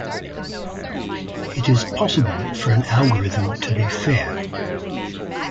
It is possible for an algorithm to be fair.